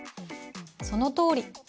そのとおり。